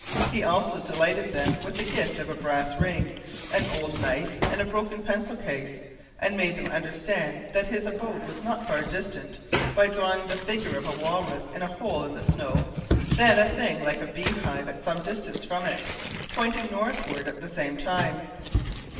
He also delighted them with the gift of a brass ring, an old knife, and a broken pencil case, and made them understand that his abode was not far distant, by drawing the figure of a walrus in a hole in the snow, and then a thing like a bee hive at some distance from it, pointing northward at the same time.